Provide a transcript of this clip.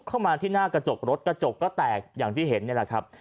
เข้ามาที่หน้ากระจกรถกระจกก็แตกอย่างที่เห็นนี่แหละครับ